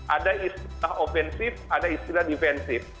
ada istilah ofensif ada istilah defensif